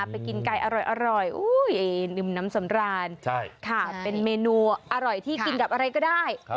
ไปกินไก่อร่อยนึมน้ำสำราญเป็นเมนูอร่อยที่กินกับอะไรก็ได้